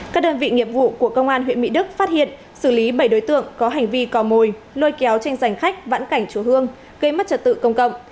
các đơn vị nghiệp vụ của công an huyện mỹ đức phát hiện xử lý bảy đối tượng có hành vi cò mồi lôi kéo tranh giành khách vãn cảnh chúa hương gây mất trật tự công cộng